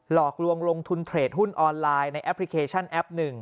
หลอกลวงลงทุนเทรดหุ้นออนไลน์ในแอปพลิเคชันแอป๑